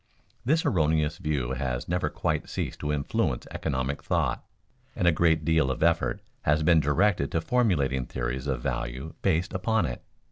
This erroneous view has never quite ceased to influence economic thought, and a great deal of effort has been directed to formulating theories of value based upon it.